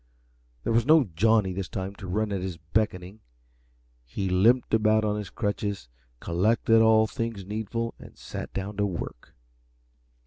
There was no Johnny this time to run at his beckoning. He limped about on his crutches, collected all things needful, and sat down to work.